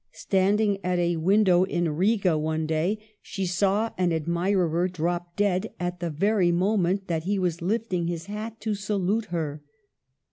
Standing at a window in Riga one day, she saw an old admirer drop dead at the very moment that he was lifting his hat to salute her.